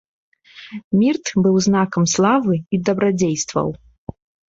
Мірт быў знакам славы і дабрадзействаў.